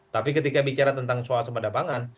tapi ketika bicara tentang soal semadapangan